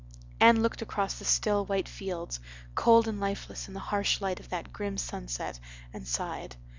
Anne looked across the still, white fields, cold and lifeless in the harsh light of that grim sunset, and sighed.